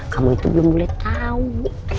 kamu itu belum boleh tahu